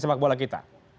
sepak bola kita